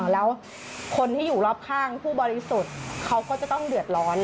แล้วคนที่อยู่รอบข้างผู้บริสุทธิ์เขาก็จะต้องเดือดร้อน